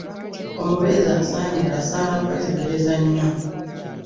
Omubeezi asaanira asaana kwetegereza nnyo.